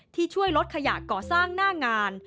ช่วยลดขยะก่อสร้างหน้างาน